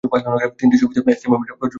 তিনটি ছবিতেই এসকে মুভিজ প্রযোজনা করে।